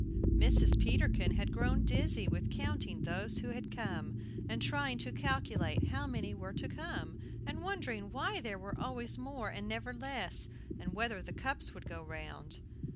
Mrs. Peterkin had grown dizzy with counting those who had come, and trying to calculate how many were to come, and wondering why there were always more and never less, and whether the cups would go round.